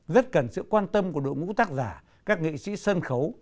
rất cần sự quan tâm của đội ngũ tác giả các nghệ sĩ sân khấu